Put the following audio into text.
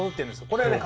これはね